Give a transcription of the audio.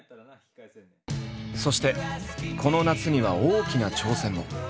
そしてこの夏には大きな挑戦も。